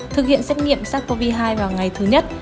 thực hiện xét nghiệm sars cov hai vào ngày thứ nhất